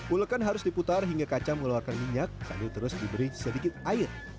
ulekan harus diputar hingga kaca mengeluarkan minyak sambil terus diberi sedikit air